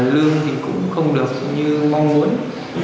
lương thì cũng không được như mong muốn